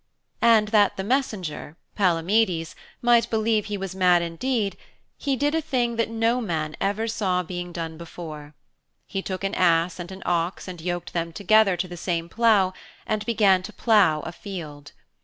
And that the messenger, Palamedes, might believe he was mad indeed, he did a thing that no man ever saw being done before he took an ass and an ox and yoked them together to the same plough and began to plough a field.